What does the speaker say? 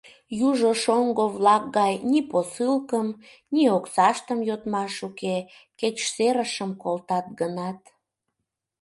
Южо шоҥго-влак гай ни посылкым, ни оксаштым йодмаш уке, кеч серышым колтат гынат...